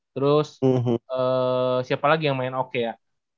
terus siapa lagi yang main oke ya